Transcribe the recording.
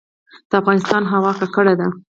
د افغانستان هوا ککړه ده